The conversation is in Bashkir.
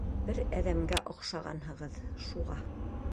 — Бер әҙәмгә оҡшағанһығыҙ, шуға.